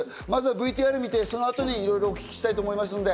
まずはＶＴＲを見て、そのあとにいろいろお聞きしたいと思います。